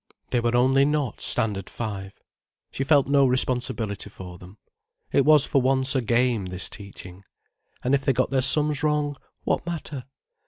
They only were not Standard Five. She felt no responsibility for them. It was for once a game, this teaching. And if they got their sums wrong, what matter?